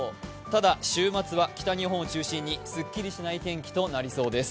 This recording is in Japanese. ただ週末は北日本を中心にすっきりしない天気となりそうです。